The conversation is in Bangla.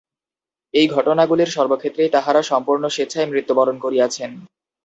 এই ঘটনাগুলির সব ক্ষেত্রেই তাঁহারা সম্পূর্ণ স্বেচ্ছায় মৃত্যুবরণ করিয়াছেন।